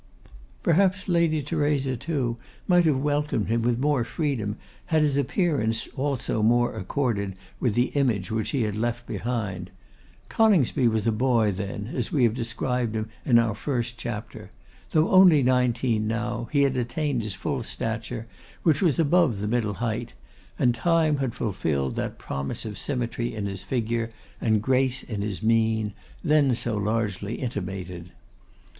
Perhaps Lady Theresa, too, might have welcomed him with more freedom had his appearance also more accorded with the image which he had left behind. Coningsby was a boy then, as we described him in our first chapter. Though only nineteen now, he had attained his full stature, which was above the middle height, and time had fulfilled that promise of symmetry in his figure, and grace in his mien, then so largely intimated.